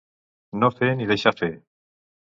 No fer ni deixar fer.